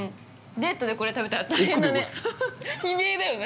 ◆デートでこれ食べたら大変だね。